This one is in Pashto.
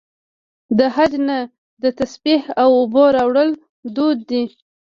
د حج نه د تسبیح او اوبو راوړل دود دی.